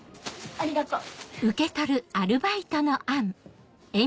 ありがとう。